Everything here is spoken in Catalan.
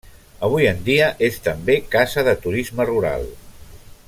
Avui en dia és també casa de turisme rural.